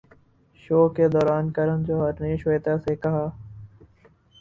شو کے دوران کرن جوہر نے شویتا سے کہا